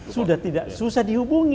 sudah tidak susah dihubungi